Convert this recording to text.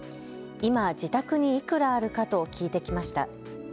今、自宅にいくらあるかと聞いてきました。